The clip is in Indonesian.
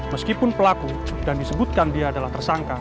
meskipun pelaku dan disebutkan dia adalah tersangka